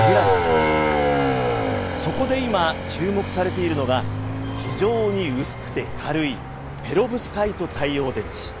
そこで今注目されているのが非常に薄くて軽いペロブスカイト太陽電池。